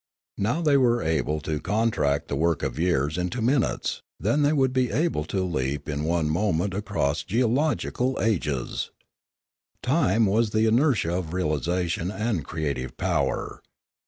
Now they were able to contract the work of years into minutes; then would they be able to leap in one mo ment across geological ages. Time was the inertia of realisation and creative power.